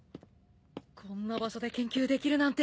こんな場所で研究できるなんて。